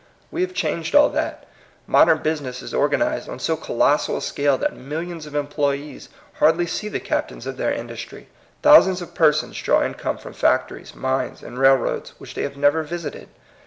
We have changed all that. Modem business is organized on so colossal a scale that millions of employees hardly see the captains of their industry. Thousands of persons draw incomes from factories, mines, and railroads which they have never visited.